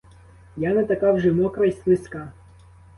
Я не така вже мокра й слизька.